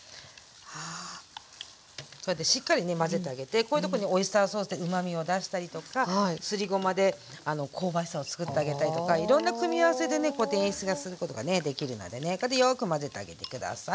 こうやってしっかりね混ぜてあげてこういうとこにオイスターソースでうまみを出したりとかすりごまで香ばしさをつくってあげたりとかいろんな組み合わせでねこうやって演出がすることがねできるのでねこうやってよく混ぜてあげて下さい。